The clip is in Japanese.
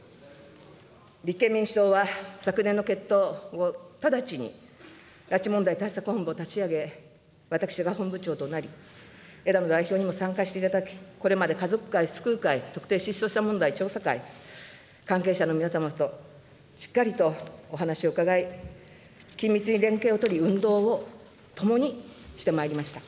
立憲民主党は昨年の結党後、直ちに拉致問題対策本部を立ち上げ、私は本部長となり、枝野代表にも参加していただき、これまで家族会、救う会、特定失踪者問題調査会、関係者の皆様としっかりとお話を伺い、緊密に連携を取り、運動をともにしてまいりました。